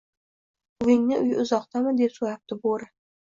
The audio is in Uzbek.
— Buvingning uyi uzoqdami? — deb soʻrabdi Boʻri